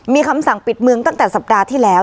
มีคำสั่งปิดเมืองตั้งแต่สัปดาห์ที่แล้ว